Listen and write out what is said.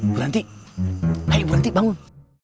bu ranti ayo bu ranti bangun